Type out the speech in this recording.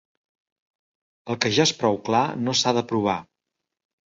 El que ja és prou clar no s'ha de provar.